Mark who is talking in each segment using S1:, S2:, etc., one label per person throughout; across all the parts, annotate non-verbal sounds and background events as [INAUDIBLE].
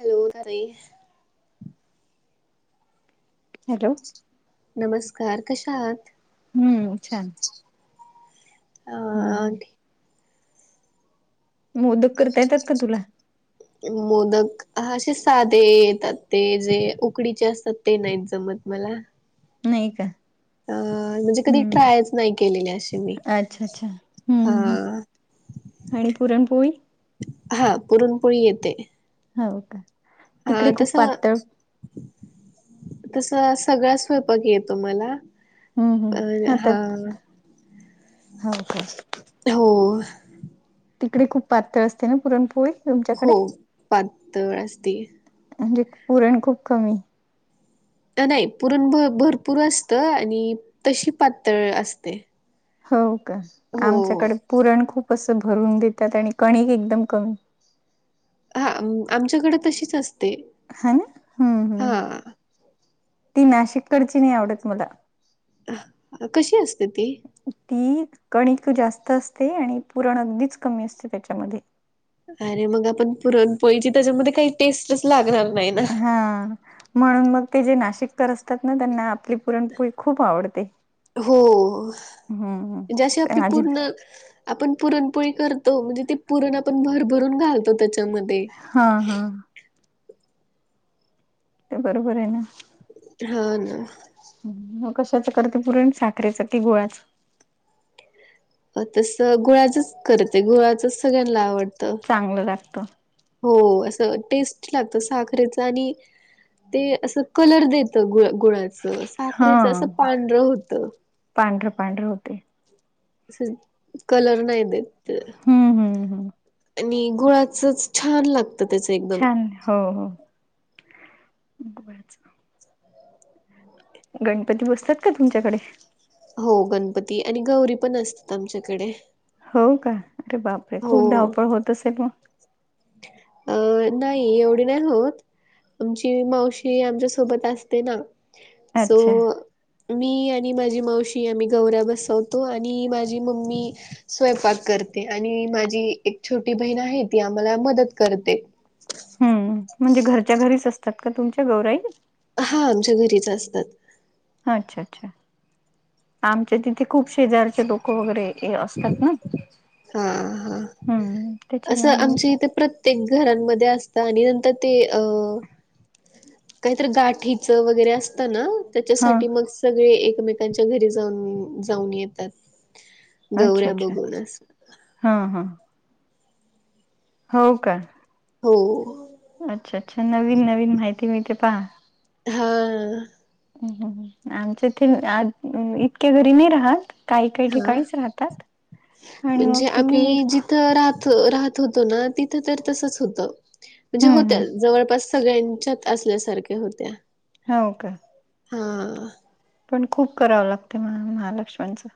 S1: Hello,, नरेऽ
S2: hello,,
S1: नमस्कार,, कशा हात?
S2: हम्म छान.
S1: अ आ आण
S2: हम्म मोदक करता येतात का तुला?
S1: मोदक ह असे साधे येतात ते जे उकडीचे असतात ते नाहीत जमत मला.
S2: नाही का?
S1: अ म्हणजे कधी
S2: हम्म
S1: ट्रायच नाही केलेले अशी मी
S2: अच्छा अच्छा हम्म
S1: हा.
S2: हम्म आणि पुरणपोळी?
S1: हा पुरणपोळी येते.
S2: हौ का?
S1: हा
S2: तिकडे खूप
S1: तस
S2: पातळ
S1: तस सगळा स्वयंपाक येतो मला.
S2: हम्म हम्म
S1: अ हा,
S2: हातात हो का
S1: हो.
S2: तिकडे खूप पातळ असते ना पुरणपोळी? तुमच्याकडे
S1: हो, पातळ असते.
S2: म्हणजे पुरण खूप कमी
S1: त नाही पुरण भ भरपूर असतं आणि तशी पातळ असते.
S2: हौ का
S1: हो
S2: आमच्याकडे पुरण खूप असं भरून देतात आणि कणिक एकदम कमी.
S1: हा आमच्याकडें तशीच असते.
S2: ह हम्म हम्
S1: हा
S2: ती नाशिककडची नाही आवडत मला.
S1: अ कशी असते ती?
S2: ती कणिक जास्त असते आणि पुरण अगदीच कमी असते त्याच्यामध्ये.
S1: अरे मग आपण पुरण पोळीची त्याच्यामध्ये काही टेस्टच लागणार नाही ना.
S2: हा म्हणून मग ते जे नाशिककर असतात ना त्यांना आपली पुरणपोळी खूप आवडते
S1: हो
S2: हम्म हम अजी
S1: हो [INAUDIBLE] आपण पुरणपोळी करतो म्हणजे ते पुरण आपण भरभरून घालतो त्याच्यामध्ये.
S2: हा हा ते बरोबर आहे ना.
S1: हा ना.
S2: मग कशाच करते पुरण साखरेच की गूळाच?
S1: तसं गुळाचच करते गुळाचंच सगळ्यांना आवडतं.
S2: चांगलं लागतं.
S1: हो असं टेस्ट लागत साखरेच आणि ते असं कलर देत गूळ गूळा
S2: हा
S1: साखरेच असं पांढरं होत.
S2: पांढरं पांढरं होते
S1: कलर नाही देत.
S2: हम हम
S1: आणि गुळाचच छान लागत.
S2: छान हो हो. गुळाच. गणपती बसतात का तुमच्याकडे?
S1: हो गणपती आणि गौरी पण असतात आमच्याकडे.
S2: हो का अरे बापरे खूप धावपळ होत असेल मग.
S1: अं नाही एवढी नाही होत. आमची मावशी आमच्या सोबत असते ना सो
S2: अच्छा.
S1: मी आणि माझी मावशी आम्ही गौर्या बसवतो आणि माझी मम्मी स्वयंपाक करते आणि माझी एक छोटी बहीण आहे ती आम्हाला मदत करते.
S2: हम् म्हणजे घरच्या घरीच असतात का तुमच्या गौराई?
S1: हा आमच्या घरीच असतात.
S2: अच्छा अच्छा आमच्या तिथे खूप शेजारचे लोक वगैरे हे असतात ना.
S1: हा हा
S2: हम्म
S1: असं
S2: त्याच्यामुळे मग
S1: आमच्या इथे प्र ते घरांमध्ये असत आणि नंतर ते अ. काहीतर गाठीच वगैरे असतं ना
S2: हा
S1: त्याच्यासाठी मग सगळे एकमेकांच्या घरी जाऊन जाऊन येतात.
S2: अच्छा
S1: गौऱ्या
S2: अच्छा
S1: बघून अस
S2: हां हां. हो का?
S1: हो.
S2: अच्छा अच्छा नवीन नवीन माहिती मिळते पहा.
S1: हा.
S2: आमच्या इथ इतक्या घरी नाही राहात. काही काही
S1: हा
S2: ठिकाणीच राहतात आणि मग तिथे
S1: तर राहतो राहत होतो ना तिथ तर तसच होत म्हणजे
S2: हम्म
S1: होत
S2: हम्म
S1: जवळपास सगळ्यांच्यात असल्यासारख्या होत्या.
S2: होव का?
S1: हा
S2: पण खूप करावं लागते महालक्ष्मणचं.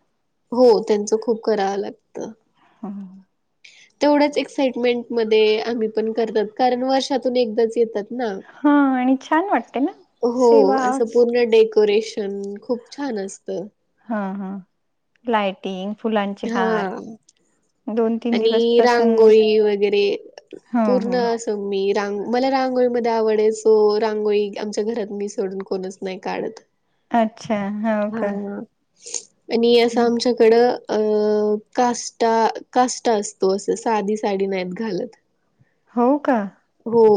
S1: हो त्यांचं खूप करावं लागतं.
S2: हम.
S1: तेवढ्याच एक्साइटमेंट मध्ये आम्ही पण करतात कारण वर्षातून एकदाच येतात. ना
S2: हा आणि छान वाटते ना
S1: हो
S2: सेवा
S1: असं पूर्ण डेकोरेशन प खूप छान असत.
S2: हा हा लाइटिंग फुलांचे हार
S1: हा
S2: दोन तीन दिवस
S1: आणि
S2: प्रसन्न
S1: रांगोळी वगैरे
S2: ह
S1: पूर्ण
S2: ह
S1: अस. तर मी रांग मला रांगोळीमध्ये आवड आहे सो रांगोळी आमच्या घरात मी सोडून कोणच नाही काढत.
S2: अच्छा हवं
S1: हा.
S2: का?
S1: आणि असं
S2: हं.
S1: आमच्याकडं अ कास्टा काष्टा असतो असं साधी साडी नाहीत घालत.
S2: हो का?
S1: हो.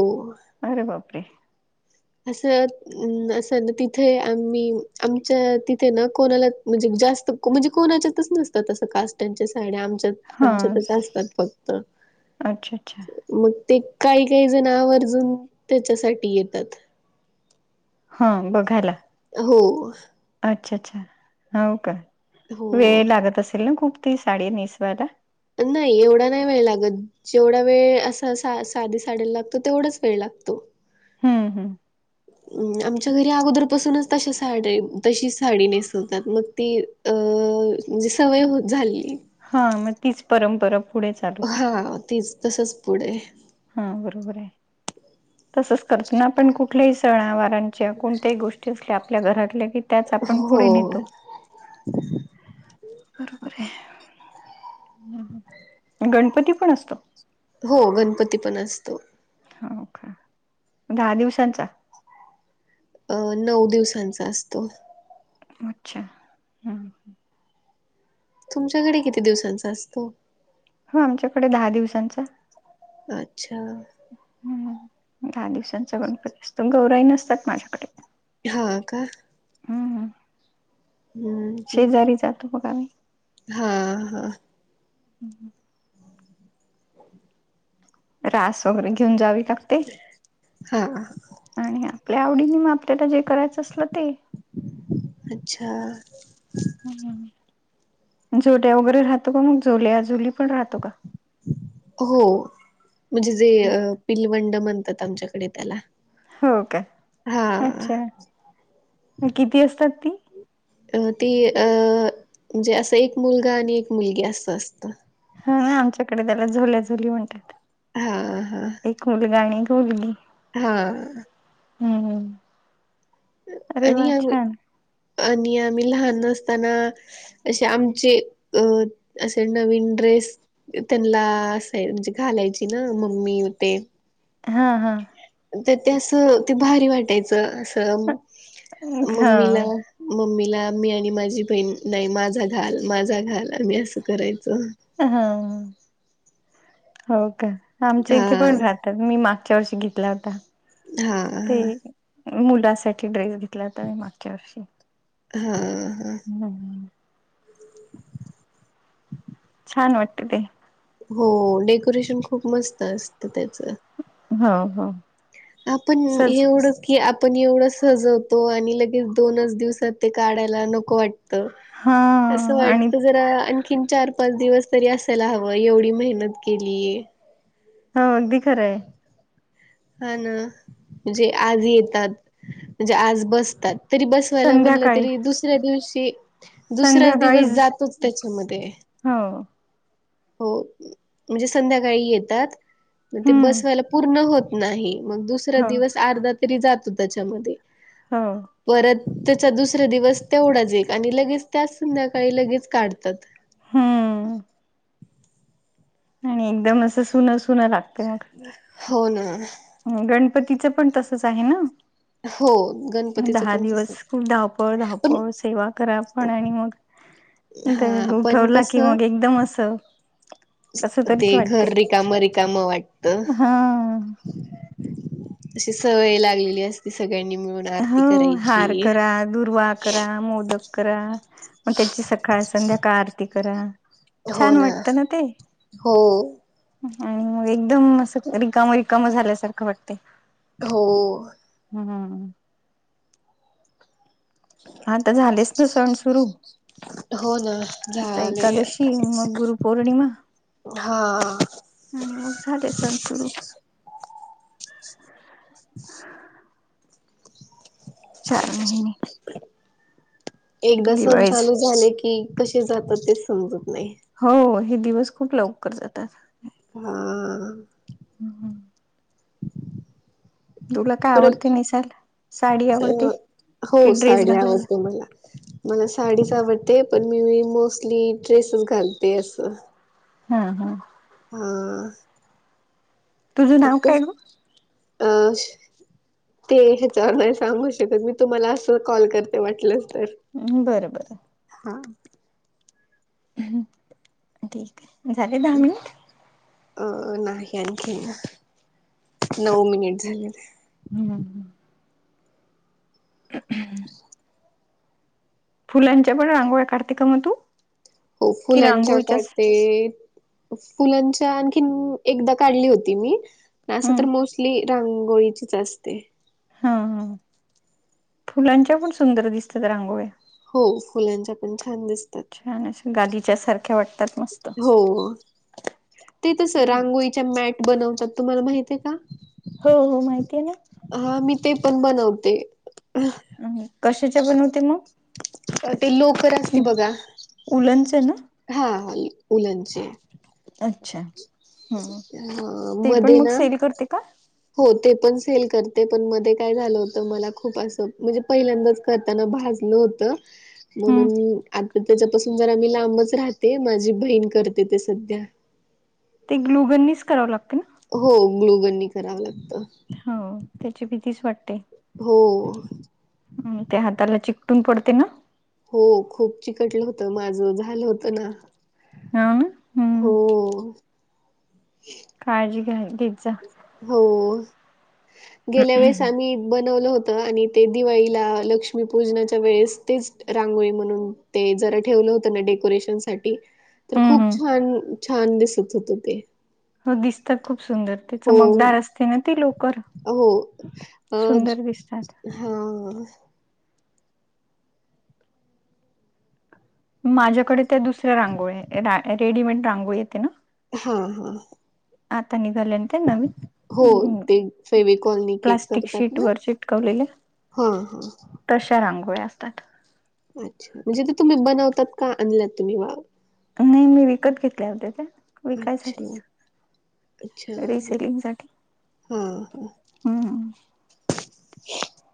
S2: अरे बापरे
S1: असं. अम् असं ना तिथे आम्ही आमच्या तिथे न कोणाला म्हणजे जास्त म्हणजे कोणाच्यातच नसतात तस कास्ट्यांच्या साड्या आमच्यात
S2: हां
S1: आमच्यातच असतात फक्त
S2: अच्छा, अच्छा
S1: मग ते काही काही जण आवर्जून त्याच्यासाठी येतात.
S2: हा बघायला.
S1: हो.
S2: अच्छा अच्छा हो का वेळ
S1: हो
S2: लागत असेल ना खूप त साडी नेसवायला.
S1: नाही एवढा नाही वेळ लागत. जेवढा वेळ असा सा साधी साडायला लागतो तेवढाच वेळ लागतो.
S2: हम्म हम्.
S1: आमच्या घरी अगोदरपासूनच तश्या साड्या तशीच साडी नेसवतात मग ते अ म्हणजे सवय होत झाली.
S2: हा मग तीच परंपरा पुढे चाल.
S1: हा तेच तसंच पुढे
S2: हा बरोबर आहे तसच करतो ना आपण कुठल्याही सण आवारांच्या कोणत्याही गोष्टी आपल्या घरातल्या की त्याच आपण पुढे
S1: हो
S2: नेतो. बरोबर आहे. गणपती पण असतो.
S1: हो गणपती पण असतो.
S2: हो का दहा दिवसांचा
S1: अ नऊ दिवसांचा असतो.
S2: अच्छा हम्म.
S1: तुमच्याकडे किती दिवसांचा असतो?
S2: हो आमच्याकडे दहा दिवसांचा.
S1: अच्छा.
S2: हम्म दहा दिवसांचा गणपती असतो गौराई नसतात माझ्याकडे.
S1: हा का?
S2: हम्म
S1: हम्म
S2: शेजारी जातो बघायला.
S1: हा, हा.
S2: हम्म, हम्म.
S1: [UNINTELLIGIBLE]
S2: रास वगैरे घेऊन जावी लागते.
S1: हा
S2: आणि आपल्या आवडीने मग आपल्याला जे करायचं असल ते.
S1: अच्छा.
S2: हम्म, हम्म झोड्या वगैरे राहतो का मग झोल्या झुली पण राहतो का?
S1: हो म्हणजे जे पिलवंड म्हणतात आमच्याकडे त्याला.
S2: हो का?
S1: हा
S2: अच्छा किती असतात ती?
S1: अ ती अ म्हणजे असं एक मुलगा आणि एक मुलगी असं असतं.
S2: ह आमच्याकडे त्याला झोल्या झोली म्हणतात.
S1: हा, हा.
S2: घोलगा आणि घोलगी.
S1: हा.
S2: हम्म, हम्म. अरे वा
S1: आणि आम्ही
S2: छान
S1: आणि आम्ही लहान असताना असे आमचे अ असे नवीन ड्रेस त्यांला असय म्हणजे घालायची ना मम्मीन ते.
S2: हा हा.
S1: तर ते असं ते भारी वाटायचं असं मम्मीला
S2: हा
S1: मम्मीला मी आणि माझी बहीण नाही माझा घाल माझा घाल आम्ही असं करायचो.
S2: हा हो का आमच्या इथे
S1: हा
S2: पण राहत. तर मी मागच्या वर्षी घेतला होता
S1: हा
S2: ते
S1: हा
S2: मुलासाठी ड्रेस घेतला होता मी मागच्या वर्षी.
S1: हम्म, हम्म
S2: हम्म, हम्म. छान वाटते ते.
S1: हो डेकोरेशन खूप मस्त असतं त्याच.
S2: हो, हो.
S1: आपण
S2: सज
S1: एवढं कि आपण एवढं सजवतो आणि लगेच दोनच दिवसात ते काढायला नको वाट त
S2: हा
S1: असं
S2: आणि
S1: वाटत जरा आणखी [UNINTELLIGIBLE] चार पाच दिवस तरी असायला हवं एवढी मेहनत केलीये.
S2: हा अगदी खरं आहे.
S1: हा ना म्हणजे आज येतात, म्हणजे आज बसतात. तरी बसवायला म्हणलं
S2: संध्याकाळी
S1: तरी दुसऱ्या दिवशी दुसराच दिवस
S2: संध्याकाळीच
S1: जातोच त्याच्यामध्ये.
S2: हो.
S1: हो म्हणजे संध्याकाळी येतात ते
S2: हम्म
S1: बसवायला पूर्ण होत नाही मग दुसरा
S2: हो
S1: दिवस अर्धा तरी जातो त्याच्यामध्ये.
S2: हो.
S1: परत त्याचा दुसरा दिवस तेवढाच एक आणि लगेच त्याच संध्याकाळी लगेच काढतात.
S2: हम्म. आणि एकदम असं सुनं सुनं लागते मग.
S1: हो ना.
S2: गणपतीचं पण तसंच आहे ना
S1: हो गण
S2: मग दहा दिवस खूप धहावपळ धावपळ सेवा करा पण आणि मग. ते
S1: हा पण
S2: उठवला की
S1: कसं
S2: मग एकदम असं. कस
S1: ते
S2: तरीच वाटते
S1: घर रिकाम रिकाम वाटत.
S2: हा
S1: अशी सवय लागलेली असती सगळ्यांनी मिळून आरती
S2: हो
S1: करायची.
S2: हार करा दुर्वा करा मोदक करा मग त्याची सकाळ संध्याकाळ आरती करा. छान वाटत ना ते.
S1: हो
S2: आणि मग एकदम अस रिकाम रिकाम झाल्यासारखं वाटते.
S1: हो.
S2: हम् हम. हा तर झालेच ना सण सुरू.
S1: हो ना
S2: आता
S1: झाले
S2: एकादशी मग गुरुपौर्णिमा.
S1: हा.
S2: आणि मग झाले सण सुरू.
S1: [INAUDIBLE]
S2: चार महिने.
S1: एकदा सण
S2: दिवाळीच
S1: चालू झाले की कसे जातात तेच समजत नाही.
S2: हो हे दिवस खूप लवकर जातात.
S1: हा.
S2: हम् हम. तुला काय
S1: परत
S2: आवडते नेसायला? साडी आवडते
S1: अ हो
S2: की ड्रेस
S1: साडी
S2: घालायला?
S1: आवडते मला. मला साडीच आवडते पण मी मोस्टली ड्रेसेस घालते असं.
S2: हम हा.
S1: हा.
S2: तुझं नाव काय
S1: आताच
S2: ग?
S1: अ ते ह्याच्यावर नाही सांगू शकत मी तुम्हाला असं कॉल करते वाटलं तर.
S2: हम्म बर बरं.
S1: हा.
S2: ठीक आहे झाले दहा मिनिट.
S1: अ नाही आणखी ना नऊ मिनिट झालेले.
S2: हम्म ह.
S1: [INAUDIBLE]
S2: फुलांच्या पण रांगोळ्या काढते का मग तू?
S1: होय
S2: कि
S1: फुलांच्या
S2: रांगोळीच्याच?
S1: काढते. फुलांच्या आणखीन एकदा काढली होती मी. असं
S2: हम्म.
S1: तर मोस्टली रांगोळीचीच असते.
S2: हा ह फुलांच्या पण सुंदर दिसतात रांगोळ्या.
S1: हो फुलांच्या पण छान दिसतात.
S2: छ गादीच्या सारख्या वाट.
S1: हो ते तस रांगोळीच्या मॅट. बनवतात तुम्हाला माहितय का?
S2: हो हो माहिती आहे ना.
S1: हा मी ते पण बनवते.
S2: कशाच्या बनवते
S1: ते लोकर
S2: मग
S1: असते बघा.
S2: उलच ना.
S1: हा उलनचे.
S2: अच्छा हम्
S1: हा
S2: ते पण
S1: मध्ये
S2: मग
S1: ना
S2: सेल करते का?
S1: हो ते पण सेल करते पण मध्ये काय झालं होतं मला खूप असं म्हणजे पहिल्यांदाच. करताना भाजलं होत
S2: हम्म.
S1: म्हणून मी तर त्याच्यापासून जरा मी लांबच राहते माझी बहीण करते ते सध्या
S2: ते ग्लुगननीच करावं लागत ना
S1: हो ग्लूगननी करावं लागतं.
S2: हां त्याची भीतीच वाटते
S1: हो
S2: हां ते हाताला चिकटून पडते ना
S1: हो खूप चिकटलं होत माझं झालं होतं ना
S2: ना
S1: हो
S2: हम्म काळजी घ्या घेत जा
S1: हो गेल्या वेळेस आम्ही बनवलं होत आणि ते दिवाळीला लक्ष्मी पूजनाच्या वेळेस तेच रांगोळी म्हणून ते जरा ठेवलं होतं ना डेकोरेशन साठी तर
S2: हम्म
S1: खूप
S2: हम्म.
S1: छान छान दिसत होत ते
S2: हो दिसतात खूप सुंदर ते
S1: हो
S2: चमकदार असते ना ते लोकर
S1: हो
S2: सुंदर दिसतात
S1: हां
S2: माझ्याकडे त्या दुसऱ्या रांगोळ रा रेडीमेड रांगोळी येते ना
S1: हा हा
S2: हाताने घालेन ते
S1: हो
S2: नवीन
S1: ते फेविकॉलनी के
S2: प्लास्टिक
S1: करतात
S2: शीट
S1: ना
S2: वर चिटकवलेल्या
S1: हा हा
S2: तशा रांगोळीया असतात.
S1: अच्छा म्हणजे ते तुम्ही बनवतात का आणलात तुम्ही वा
S2: कणी मी विकत घेतल्या होत्या त्या.
S1: अच्छा
S2: विकायसाठीच
S1: अच्छा
S2: रिसेलिंग साठी.
S1: हा हा
S2: हम
S1: [INAUDIBLE]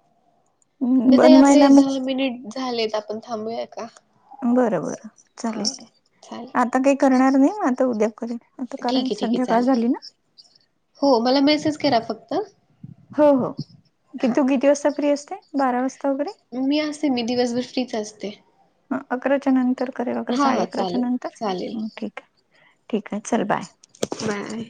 S1: ताई आपले
S2: बनवायला
S1: दहा
S2: मग
S1: मिनिट झालेत आपण थांबूयात का.
S2: बरं बरं
S1: हा
S2: चालेल.
S1: चालेल
S2: आता काही करणार नाही म आता उद्याप करेन आता
S1: ठीक
S2: कारण
S1: आहे ठीक आहे
S2: सध्या काळ
S1: चालेल
S2: झाली ना
S1: हो मला मेसेज करा फक्त.
S2: हो हो की
S1: हां
S2: तू किती वाजता फ्री असते बारा वाजता वैर.
S1: मी असते मी दिवसभर फ्रीच असते.
S2: ह अकराच्या नंतर करेल अकरा
S1: हां
S2: साडे
S1: हां
S2: अकराच्या
S1: चालेल
S2: नंतर
S1: चालेल
S2: ठीक आहे. ठीक आहे चल बाय.
S1: मिळतंय